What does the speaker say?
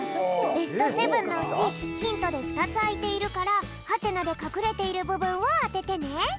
ベストセブンのうちヒントでふたつあいているからはてなでかくれているぶぶんをあててね。